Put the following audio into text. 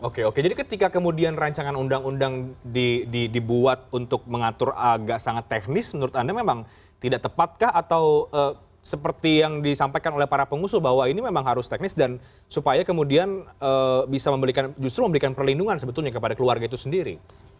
oke oke jadi ketika kemudian rancangan undang undang dibuat untuk mengatur agak sangat teknis menurut anda memang tidak tepatkah atau seperti yang disampaikan oleh para pengusul bahwa ini memang harus teknis dan supaya kemudian bisa memberikan justru memberikan perlindungan sebetulnya kepada keluarga itu sendiri